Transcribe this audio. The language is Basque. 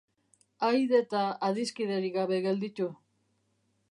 Ahaide eta adiskiderik gabe gelditu.